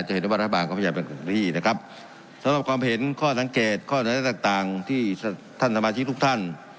นะครับสำหรับความเห็นข้อดังเกตข้อดังและต่างที่ท่านสมาชิกทุกท่าน